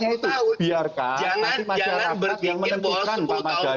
makanya itu biarkan masyarakat yang menentukan pak mardhani